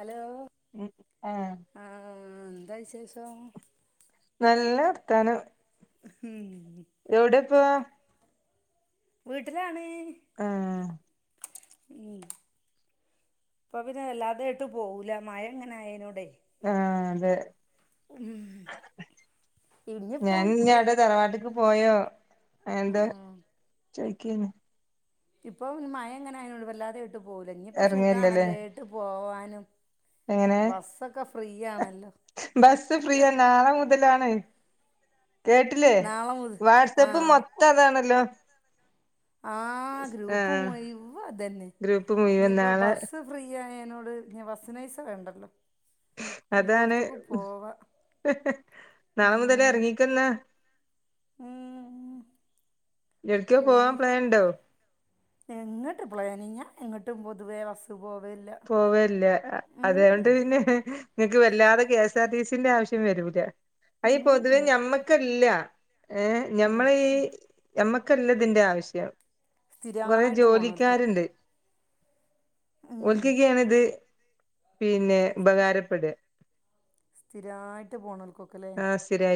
Hello ഉം ആഹ് ആ എന്താ വിശേഷം നല്ല വർത്താന ഹും എവിടെപ്പോ വീട്ടിലാണ് ആഹ് ഉം ഇപ്പൊ പിന്നെ വല്ലാതൊയിട്ട് പോവൂല മഴ എങ്ങനെ ആയോടെ ആഹാ അതെ ഞാൻ ഇനിയിപ്പം ഇന്ന അവിടെ തറവാട്ടുക്ക് പോയോ ആ എന്താ ചോയ്ക്കാന്ന് ഇപ്പൊ മഴ എങ്ങനെ ആയോണ്ട് വല്ലാതെ ട്ട് പോല ഇനിയിപ്പോ എറങ്ങേല്ലല്ലേ സുഖമാണല്ലേട്ട് പോവാൻ ഉം എങ്ങനെ ബസ്സ് ഫ്രീ നാളെ മുതലാണ് കേട്ടില്ലേ നാളെ മുതൽ ആ വാട്സആപ്പ് മൊത്തം അതാണല്ലോ ആഹ് ഗ്രൂപ്പ് ആഹ് മുയിവ അതന്നെ ഗ്രൂപ്പ് മുഴുവൻ എനയിപ്പ നാളെ ബസ് ഫ്രീ ആയ യ്നോട് ബസ്സിനൈസ വേണ്ടല്ലോ. അതാണ് എല്ലോടത്തേക്കും പോവാ നാളെ മുതലേ ഉം ഇറങ്ങിക്കോന്ന. ഉം എടക്കോ ഫ്രീ പോവാൻ പ്ലാൻ ഉണ്ടോ? എങ്ങോട്ട് പ്ലാനിങ്ങ എങ്ങോട്ടും പൊതുവേ ബസ് പോവില്ല പോവേലില്ല ഉം അതെയോണ്ട് ഉം പിന്നെ നിങ്ങൾക്ക് വല്ലാതെ കെ എസ് ആർ ടി സിന്റെ ആവശ്യം വരൂല. അയി ഉം പൊതുവെ ഉം ഞമ്മക്കല്ല. ഏഹ് ഉം. ഞമ്മള ഈ ഞമ്മ ക്കല്ലതിന്റെ ആവിശ്യം. കൊറേ സ്ഥിരമായിട്ട് പോണവർക്ക് ജോലിക്കാര്ണ്ട്. ഉം. ഓൽക്കിക്കയാണ് ഇത് പിന്നെ ഉപകാരപ്പെട. സ്ഥിരായിട്ട് പോണോൾ ക്കോക്കല്ലേ?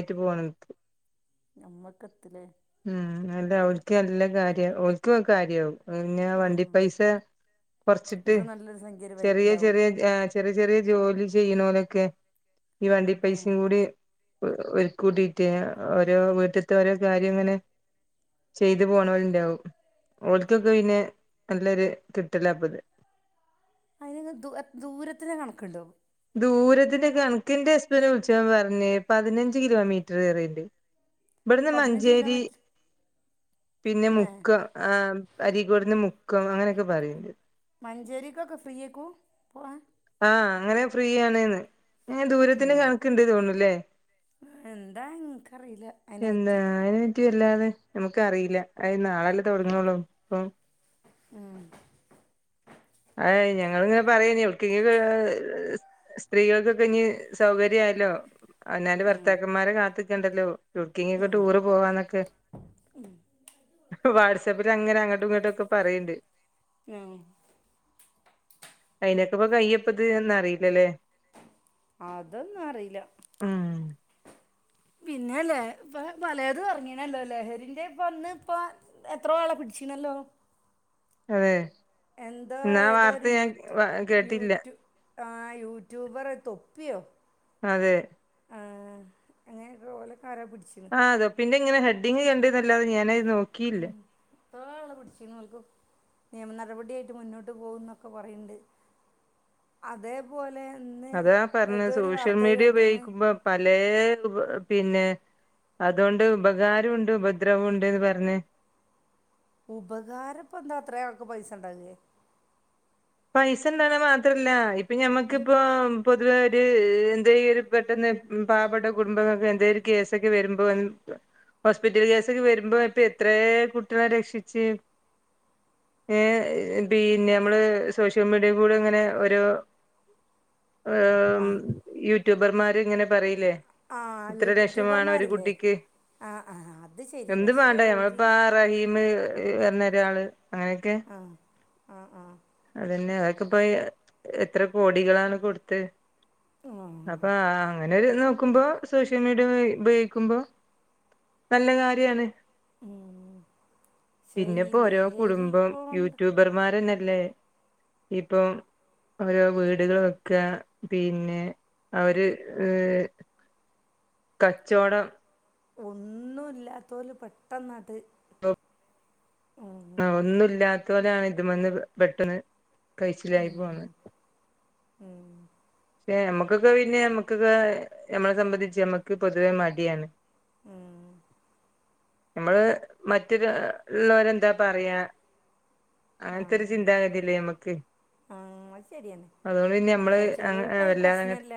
ട്ട് പോണ [unintelligible] നമ്മക്കത്തില്ലേ ഉം അല്ല അവന്ക്ക് നല്ല കാര്യാ ഓൾക്ക് കാര്യാവും പിന്നെ വണ്ടി ഉം. പൈസ കൊറച്ചിട്ട് ഇവർക്ക് നല്ലൊരു സംഖ്യ വരും ചെറിയ ഇതാവും ചെറിയ ആ ചെറി ചെറിയ ജോലി ചെയ്യണോലൊക്കെ ഈ വണ്ടി ഉം. പൈസയും കൂടി ഒരു കൂട്ടീട്ട് ഓരോ വീട്ടത്തെ ഓരോ കാ ര്യങ്ങനെ ചെയ്ത് പോണോലുണ്ടാവും ഓൾക്കൊക്കെ പിന്നെ നല്ലൊരു കിട്ടിലപ്പത് അതിനോക്കെ ദൂ ആ ദൂരത്തിന് കണക്കുണ്ടോ ദൂരത്തിന്റെ കണക്കിന്റെ ഹസ്ബന്റ് വിളിച്ചപ്പൊ പറഞ്ഞ് പതിനഞ്ച് കിലോമീറ്ററ് പറയിണ്ട് ഇബ്ടുന്ന് പതിനഞ്ച് മഞ്ചേരി കിലോമീറ്റർ പിന്നെ എന്നേ മുക്ക ആഹ് അരികോടിന്ന് മുക്കം അങ്ങനൊക്കെ പറയിണണ്ട് മഞ്ചേരിക്കൊക്കെ ഫ്രീ ആക്കും പോവാ ആഹ് അങ്ങനെ ഫ്രീ ആണ്ന്ന് ഏഹ് ദൂരത്തിന് ഉം. കണക്കിണ്ട് തോന്നൂല്ലേ എന്താ എന്ക്കറിയില്ല അയനെ പറ്റി ക്കി അല്ലാതെ നമുക്കറിയില്ല അത് നാളല്ലേ തുടങ്ങണുള്ളൂ പ്പോ ആഹ് ആയ് ഞങ്ങളിങ്ങനെ പറയന്നെ ഇവൾക്ക് [unintelligible] സ്ത്രീകൾക്കൊക്കെ ഇനി സൗകര്യയാല്ലോ അവനവനൻ്റെ ഉം. ഭർത്താക്കന്മാരെ കാത്ത് ന്നിക്കണ്ടല്ലോ [unintelligible] ടൂറ് പോവാന്നൊക്കെ വാട്സാപ്പിലങ്ങനെ അങ്ങട്ടും ഇങ്ങട്ടും ഒക്കെ പറയ്ണ്ട് ഉം അയിനൊക്കെ ഇപ്പ കയ്യപ്പത് എന്നറിയില്ലല്ലേ അതൊന്നും അറിയില്ല ഉം പിന്നെല്ലെ ഇപ്പം പലതും ഇറങ്ങീണല്ലോ ലഹരിൻ്റെ ഇപ്പം വന്ന് ഇപ്പൊ എത്ര ആളൊ പിടിച്ചീണല്ലോ അതെ എന്തോ എന്നാ ഏതൊരു വാർത്ത ഞാൻ യുറ്റ് കേട്ടില്ല യുറ്റു ആ യൂട്യൂബറ് തൊപ്പിയോ അതെ ആ അങ്ങനെയൊക്കെ ഓലൊക്കെ ആരാ പിടിച്ചിന്ന് ആ അതോ പിന്നെ ഇങ്ങനെ ഹെഡിങ് കണ്ടിന്നാല്ലോ ഞാന് നോക്കില്ല എത്ര ള്ള പിടിച്ചീങ്ങോൾക്ക് നിയമ നടപടിയായിട്ട് മുന്നോട്ട് പോകും ന്നൊക്കെ പറയ്ണ്ട് അതേപോലെ ഇന്ന് അതാ ഏതോ പറഞ്ഞത് ഒരു സോഷ്യൽ വാർത്ത മീഡിയ കേട്ട്ണ് ഉപയോഗിക്കുമ്പ പലേ പിന്നെ അതുകൊണ്ട് ഉപകാരം ഒണ്ട് ഉപദ്രവം ഒണ്ട്ന്ന് പറഞ്ഞെ ഉപകാരയിപ്പം എന്താ അത്ര ആൾക്ക് പൈസ ഉണ്ടാകേ പൈസ ഇണ്ടന്ന മാത്രല്ല ഇപ്പോ പിന്നെ ഞമ്മക്കിപ്പോ പോതുവെ ഒരു എന്തെങ്കിലും പെട്ടെന്ന് മ് പാവപെട്ട കുടുംപങ്ങൾക് എന്തെലും കേസൊക്കെ വരുമ്പോ ഹോസ്പിറ്റൽ കേസോകെ വരുമ്പോ ഇപ്പോ എത്രെ കുട്ടിയേളെ രേഷിച്ച് പിന്നെ നമ്മൾ സോഷ്യൽ മീഡിയ കൂടെ ഇങ്ങെനെ രോ [unintelligible] യൂട്യൂഭർമാർ ഇങ്ങെനെ പറയുലെ ആ യൂട്യൂബർമാർ ഇല്ലേ അ ആ അത് ശരി പക്ഷെ ഒരു [inaudible] അങ്ങെനെ ഒക്കെ അ ആ അതന്നെ അയാക്ക് ഇപ്പോ എത്രെ കോടികളാണ് കോടുത്തെ അപ്പൊ ഉം. ആ അന്നേരം ഇത് നോക്കുമ്പോ സോഷ്യൽ മീഡിയ ഉഭയോഗിക്കുമ്പോ നല്ല കാര്യാണ് പക്ഷേ ഈ പിന്നെപ്പോ ഓരോ ലഹരി കുടുംബം കൊണ്ട് യൂട്യൂബർ മാരന്നെ ല്ലെ. ഇപ്പം ഓരോ വീട്‌കൾ വെക്കാ പിന്നെ അവര് കച്ചോടം. ഒന്നും ഇല്ലാത്തോൽ പെട്ടന്ന് ആട്ട് [inaudible] അ ഒന്നുല്ലാത്തോരാണ് ഇദ്മ്മന്ന് [unintelligible] പെട്ടെന്ന് കഴിച്ചിലായി ഉം, പോന്നെ. ഉം, പക്ഷേ നമ്മകോക്കെ പിന്നെ നമ്മക്ക്ക്ക നമ്മള സമ്മന്തിച്ച് നമ്മക്ക് പൊതുവെ മടിയാണ് മ്മ് നമ്മൾ മറ്റരു ഉള്ളോരെന്താ പറയാ അങ്ങൻതോരു ചിന്താഗതിയല്ലെ മ്മക്ക് ആഹ് അത് നമ്മള് ശെരിയാണ് അത് വല്ലാതങ്ങട്ട് പ്രശ്നല്ല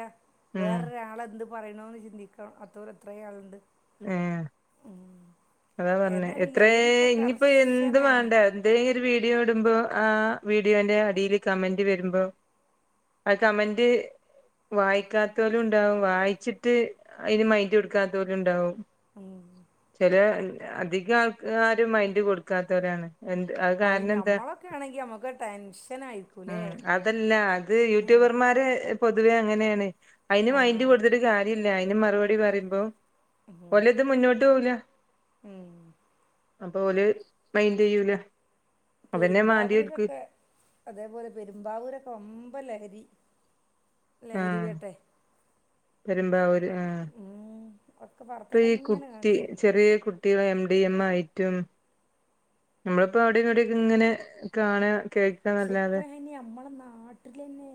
ഉം വേറൊരാളെന്ത് പറയുണ്ണൂന്ന് ചിന്തിക്കണം അത്തോ കോറേ ആളുണ്ട് ആഹ് അതാ പറഞ്ഞെ ഏതായാലും എത്രേ ലഹരി ഇപ്പോൾ ഇഞ്പ്പോ എന്തു കർശനാണ് വാണ്ട എന്തേലൊരു വീഡിയോട് ബ് ആ വീഡിയോന്റെ അടീല് കമന്റ് വരുമ്പോ ആ കമന്റ് വായിക്കാത്തൊലും ഉണ്ടാവും വായിച്ചിട്ട് അതിന് മൈൻഡ് കൊടുക്കാതോലും ഉണ്ടാവും [unintelligible] അധികം ആൾക്കാരും മൈൻഡ് കൊടുക്കാത്തവരാണ്. എന്ത് അത് കാരണം എന്താ ഞമ്മളൊക്കെ ആണെങ്കി നമ്മുക്ക് ടെൻഷനായിരിക്കൂല്ലേ ഉം അതല്ല അത് ഉം യൂട്യൂബർമാരെ പൊതുവെ അങ്ങനേണ്. അയിന് മൈൻഡ് ആഹ് കൊടുത്തിട്ട് കാര്യല്ല. ഇല്ല അയ്ന് മറുപടി പറയുമ്പോ ഒലത് മുന്നോട്ട് പോവൂല ഉം അപ്പൊ ഓല് മൈൻ്റ് എയ്യൂല. പെരുമ്പാവൂരക്കെ അതേ പോലെ പെരുമ്പാവൂരക്ക വമ്പ ലഹരി ലഹരി ആഹ് വേട്ടെ പെരുമ്പാവൂര് അഹ് ഉം ഒക്കെ ഇപ്പ ഈ വാർത്തേലങ്ങനെ കുട്ടി കാണിച്ചു ചെറിയ കുട്ടികളെ എമ് ഡി എം ആയിറ്റും നമ്മളിപ്പ അവിടേര്ന്ന് ഇവിടേര്ന്നിങ്ങനെ കാണേണ്. സിപ്പഴങ്ങി അമ്മള നാട്ടിലില്ലേ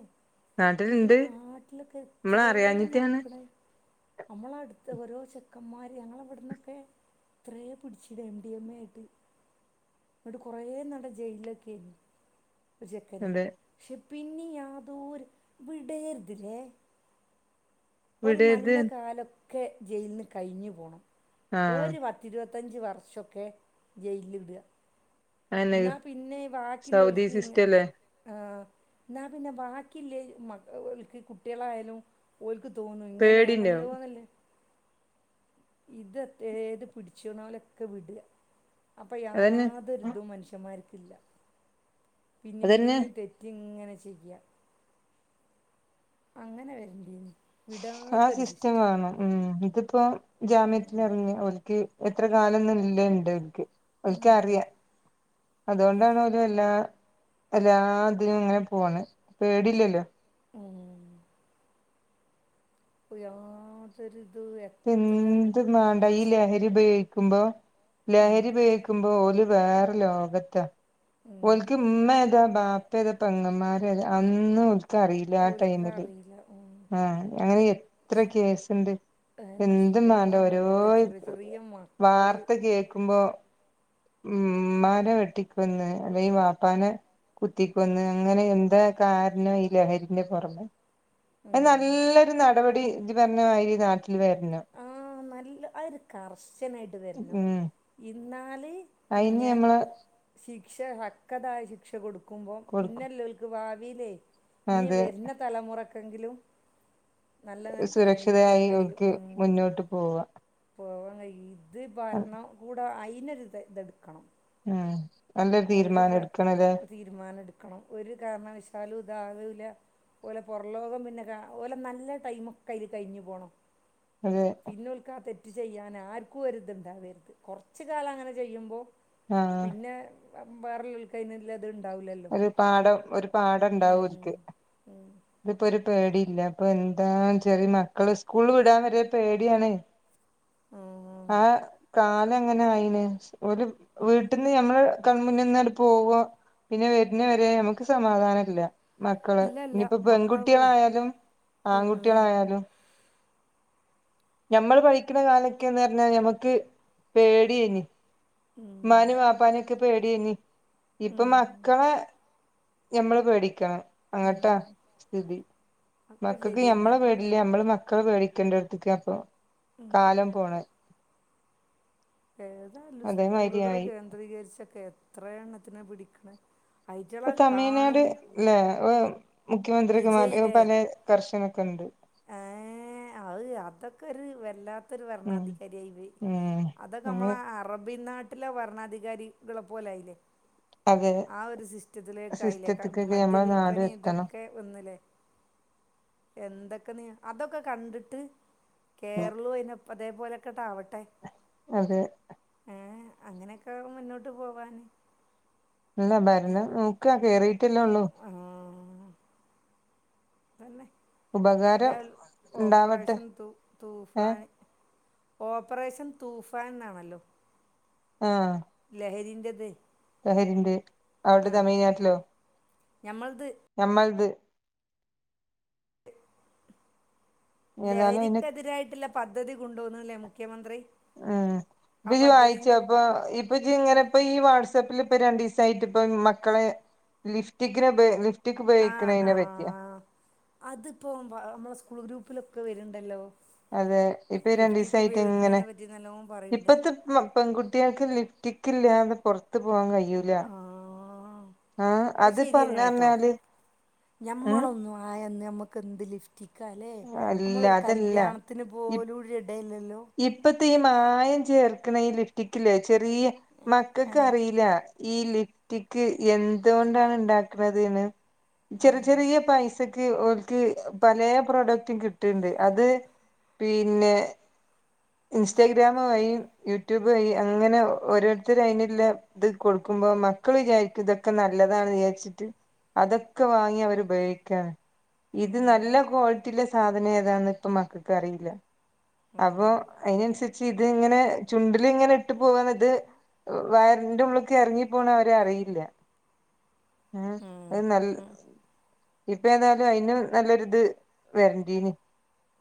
നാട്ടിലുണ്ട് നീനാ ആറ്റിലൊക്ക നമ്മള് ഇത്രേം അറിയാഞ്ഞിട്ടാണ് നടക്കണേ അമ്മള അട് ട ഓരോ ചെക്കൻമാര് ഞങ്ങളവിടന്നൊക്കെ ത്രേ പിടിച്ച് എമ് ഡിഎമ് ഏ ക്കും. എട്ട് കോറേ നടജയിലിലക്കി ഇത് ജെക്കന്നി അതെ ഷിപ്. പിന്നീ യാതോര് വിടേര്തില്ലേ ഒര് വിടരുത് നല്ല കാലം. ക്കെ ജയില്ന്ന് കഴിഞ്ഞ് പോണം ആഹ് ഒര് പത്തിരുവ തഞ്ച് വർഷോക്കെ ജയില്‌ട. അയന്നെ ന്നാ പിന്നെ വാക്കി സൗദി ലോല്ക്ക് ന്നെ സിസ്റ്റം അല്ലേ ആ ന്നാ പിന്നെ ബാക്കി ല്ലേ മക്ക ഓൽക്ക് കുട്ട്യേളായാലും ഓൽ ക്ക് തോന്നും ഇങ്ങനെണല്ലോ പേടിണ്ടാവും ന്ന്ല്ലെ ഇത് ഏത് പിടിച്ച്ണോലൊക്കെ വിട. അപ്പ അതന്നെ യാതൊര് തും മനുഷ്യൻമാര് ത്തില്ല പിന്നീം അതന്നെ പിന്നീം തെറ്റ് ങ്ങനെ ച്ചെയ്യ അങ്ങനെ വെര്ൻ്റീനി ആ സിസ്റ്റമാണം ഉം ഇത് പ്പം ജാമ്യത്തിലെർങ്ങ ഓൽക്ക് എത്രകാലൊന്നും ഇല്ല ണ്ട് ഓൽക്ക് ഓൽക്കറ്യാ അതുകൊണ്ടാണ് അതുവല്ലാ എല്ലാ ഇതിനും ഇങ്ങനെ പോണ്, പേടി ഇല്ലല്ലോ ഉം യാതൊരു എന്തിന്നാടാ ഈ ലഹരി ഉപയോ ക്കുമ്പോ ഉം ലഹരി ഉപയോഗിക്കുമ്പോ ഓല് വേറെ ലോകത്താ ഉം ഓൽക്ക് ഇമ്മ ഏതാ ബാ പ്പ ഏതാ പെങ്ങമാര് ഏതാ അന്നു ഓരിക്ക് അറിയില്ല ആ ടൈമില് ഓൽക്കറിയില്ല ഉം ആ അങ്ങനെ എത്ര കേസിണ്ട് അതന്നെ എന്തു [unintelligible] സ്കൂളിന്നൊക്കെ ഓരോ കണ്ടില്ലേ ചെറിയ ചെറിയ മക്കള് വാർത്ത കേക്കുമ്പോ ഉം ഉമ്മാനെ വെട്ടിക്കൊന്ന് അല്ലേങ്കി വാപ്പാനെ കുത്തിക്കൊന്ന് അങ്ങനെ എന്താ കാരണോ ഈ ലഹരിൻ്റെ പൊറമേ [unintelligible] ഉം നല്ലൊരു നടപടി ഇജ്ജ് പറഞ്ഞ മാരി നാട്ടി ആ നല്ല അത് [unintelligible] കർശന വരണം ഉം ഈ ഇന്നാ അയിന് നമ്മള് ക്ഷ ഹക്കതായ ശിക്ഷ കൊടു കുമ്പം കൊടുക്കും പിന്നെല്ലെ ലോലിക്ക് വിലെ ഇനി അത് വരുന്ന തലമുറ എങ്കിലും സുരക്ഷിതയായി ക് ഉം മുന്നോട്ട് പോവാ പോവാൻ കഴി ഭരണംകൂടം ആയി ഇന്ന് ഇത് എടുക്കണം ഉം നല്ലൊരു ഒരു തീരുമാനം കാ എടുക്കണല്ലേ തീരുമാനം എടുക്കണം ഒരു കാരണവശാലും കാണൂല്ല ഓരെ പുറം ലോകം പിന്നെ കാ ഓരെ നല്ല ടൈമൊക്കെ അതിൽ കഴിഞ്ഞു പോണം ഒരു പിന്നെ ഓര്ക്ക് ആ തെ ചെയ്യാനാർക്കും ഒരു ഇത് ഇണ്ടാവരുത് കൊറച്ച് കാലം അങ്ങനെ ചെയ്യുമ്പോ ആഹ് പിന്നെ [unintelligible] [inaudible] ഓര് പാഠം ഒരു പാഠം ഉം. ഉണ്ടാവർക്ക് ഉം. ഇപ്പെ ഒരു പേടിയില്ല ഇപ്പോ എന്താ ചെറിയ മക്കള് സ്കൂളിൽ വിടാൻ വരെ പേടിയാണ് ആ. ആ കാല എങ്ങനെ ആയിന് ഒരു വീട്ടിൽന്ന് ഞമ്മള് കൺമുന്നിൽന്ന പോവുവ പിന്നെ വരുന്ന വരെ നമുക്ക് സമാധാനം ഇല്ല മക്കള് ഇല്ല ഇല്ല ഇനിപ്പോ മക്കളെ പോയി പെൺകുട്ടികളായാലും ഉം. ആൺകുട്ടികളായാലും ഞമ്മൾ പഠിക്കണ കാലക്കെന്ന് പറഞ്ഞാലെ ഞമ്മക്ക് പേടിയിനി ഉം. ഉമാനെ വാപ്പാനൊക്ക് പേടി യിനി ഇപ്പൊ ഉം. മക്കളെ മ്മള് പേടിക്കണം അങ്ങട്ടാ ഉം. സ്ഥിതി ഒക്കെ മക്കൾക്ക് ശരി മ്മളെ തന്നെ പേടില്ലേ നമ്മള് മക്ക മക്കള് പേടിക്കേണ്ട ഇടുത്തേക്ക അപ്പൊ കാലം പോണെ ഏതായാലും സ്കൂളുകൾ അതേമാതിരിയായി കേന്ദ്രീകരിച്ചൊക്കെ എ എത്ര എണ്ണത്തിനെ പിടിക്കണ ഇപ്പൊ തമിഴ്നാട്ല്ലേ മുഖ്യമന്ത്രിക്ക്മാർ പല കർശനൊക്കെ ഉണ്ട് ഏഹ അത് അതൊക്കെ ഒരു വല്ലാ ഉം ഭരണാധികാരിയായി പോയി ഉം അതൊക്കെ നമ്മള അങ്ങനെ അറബി നാട്ട നാട്ടിലെ വരണാധികാരികളെ പോലായില്ലേ അതെ ആ ഒരു സിസ്റ്റത്തിലേക്ക ആയില്ലേ സിസ്റ്റത്ത്ക്കൊക്കെ മദ്യ ഞമ്മളെ നാട് വില്പന എത്തണം ഇതൊക്കെ ഒന്നില്ലേ എന്തൊ അതൊക്കെ കണ്ടിട്ട് കേരളവും അ അതേപോലെൊക്കെട്ടാവട്ടെ അതെ ഏ അങ്ങനൊക്കെ മുന്നോട്ട് പോവാാന് ഇല്ല ഭരണം നോക്ക കേറി ല്ലേള്ളൂ ആഹ തല്ലെ ഉപകാരം ഇാൽ ഉണ്ടാവട്ടെ ഓപ്പറേഷൻ ഏ തൂഫാന ഓപ്പറേഷൻ തൂഫാൻ എന്നാണല്ലോ ആ ലഹരി ന്റെ തെ ലഹരിന്റെ അവിടെ തമിഴ്നാട്ടിലോ ഞമ്മൾ ത് ഞമ്മൾത് ഏതായാലും അയിന് ലഹരിക്കെതിരായിട്ട്ള്ള പദ്ധതി കൊണ്ടോന്നുല്ലേ മുഖ്യമന്ത്രി ആ ഇതില് വായിച്ചോ പദ്ധതിൻ്റെ പ്പൊ ഇപ്പൊ ഇജ് ങ്ങനെ ഇപ്പം ഈ വാ ട്സപ്പിൽ ഇപ്പം രണ്ടുസായിട്ട് പ്പം മക്കളെ ലിഫ്റ്റിക്കിനെ ഉപ ലി ആആ അതിപ്പോ മ്മളെ സ്കൂൾ ഗ്രൂപ്പി ലൊ ക്കെ വര്ണ്ടല്ലോ അതെ ഇപ്പൊ ഈ രണ്ടീ സായിട്ട് ങ്ങനെ പറ്റി നല്ലോണം പറയുന്നുണ്ട് ഇപ്പത്തെ പെൺകുട്ടി യാൾക്ക് ലിഫ്റ്റിക്കില്ലാതെപുറത്ത് പോകാൻ കയൂല ആ ആ അത് ശരി തന്നെ പറഞ്ഞി റഞ്ഞാല് കേട്ടോ ക്കന്ത്ലിഫ് റ്റിക്കാ ല്ലെ നമ്മളൊരു അതല്ല കല്യാണത്തിന് ഇ പോലും ടെല്ല ഇപ്പത്തെ ഈ മായം ചേർക്ക് ണേഈ ലിഫ്റ്റിക്കില്ലേ ചെറിയ ആ മക്കൾക്ക് അ റീല്ല ഈ ലിഫ്റ്റിക്ക് എന്തൊണ്ടാണ് ഉണ്ടാക്ക്ണ ത് ന്ന് ആ ചെറിചെറിയ പൈസ ക്ക് ഓൽക്ക് പലേ പ്രൊഡക്റ്റും കിട്ട്ണ്ട് അത് പിന്നെ ഇൻസ്റ്റാഗ്രാമ് വഴിയൂട്യൂബ് വഴി അങ്ങനെ ഓരോര്ത്തർ അയിന്ള്ള ഇത് കൊടുക്കുമ്പോ മക്കൾ വിചാരിക്കും ഇതൊക്കെ നല്ലതാണ് വിചാരിച്ചിട്ട് അതൊക്കെ വാങ്ങി അവര്പയോഗിക്കാണ് ഇത് നല്ല ക്വാളിറ്റിയിലെ സാധനം ഏതാണ് പ്പം മക്കക്ക് അറീല്ല അപ്പൊ അയിനൻസരിച്ച് ഇത് ഇങ്ങനെ ചുണ്ടില് ങ്ങനെ ഇട്ട് പോവാണ്ത് വയറിന്റെ ഉള്ള്ക്ക് എറങ്ങിപ്പോണേ ആരു അ റീല്ല ഉം അത് നല്ല ഉം. ഇപ്പ ഏതായാലും അയ്ന് നല്ലൊരു ഇത് വെരന്റീനി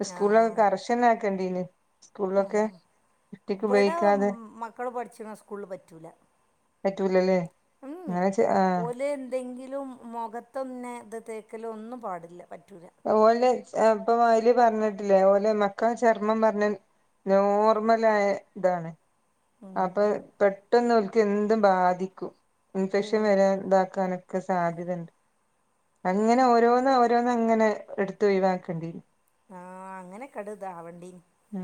സ്കൂളിലൊക്കെ കർഷ നാക്കണ്ടീനി ആ ഇവടെ ഉപയോഗിക്കാതെ മക്കള് പഠിച്ച്ണ സ്കൂ ള്ള് പറ്റൂല പറ്റൂലല്ലേ മ് അങ്ങനെ ചെ ആ ഓല്എന്തെങ്കി ലുംമുഖത്തന്നെഇത് തേക്കലും ഒന്നും പാടില്ല പ ഓല് ഇപ്പൊ അയ്ല് പറഞ്ഞേട്ട്ല്ലേ ഓലെ മക്കളെ ചർമ്മം പറഞ്ഞേനോർമലായ താണ് അപ്പൊ പെട്ടന്ന് വി എന്ത് ബാധിക്കും ഇൻഫെക്ഷൻ ഉം. വരാൻ ഇതാക്കാനൊക്കെ സാധ്യതുണ്ട് അങ്ങനെ ഓരോന്ന് ഓരോന്ന് അങ്ങനെ എടുത്ത ഒഴിവാക്കേണ്ടി ആ അങ്ങനെയൊക്കെ ഇട് ഇതാവണ്ടീന് ഉ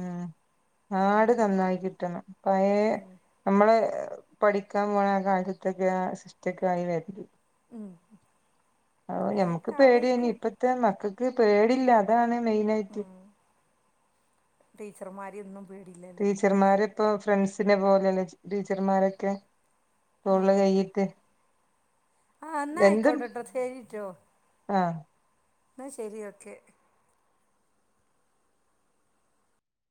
നാട് നന്നായി കിട്ടണം പയേ നമ്മളെ പഠിക്കാൻ പോല ആ കാലചത്തൊക്കെ ആ സിസ്റ്റക്ക ആയി വരും ഉം ഓ ഞമ്മുക്ക് പേടിയനി ഇപ്പത്തെ മക്കൾ ക് പേടില്ല അതാണ് ഉ മെയിനായിട്ട് ടീച്ചർമാരിന്നും ടീച്ചർമാര് ഇപ്പൊ ഫ്രണ്ട്സിനെ പോലെല്ല ടീച്ചർമാരൊക്കെ ആ തോളിൽകയിട്ട് ആ എന്നാ ആയിക്കോട്ടെട്ടോ ശേരിട്ടോ ആ ആ ശെരി ഒക്കെ